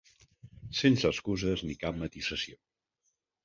Sense excuses ni cap matisació.